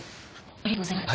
ありがとうございます。